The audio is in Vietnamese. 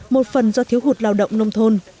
một phần do thiếu hụt lao động nông thôn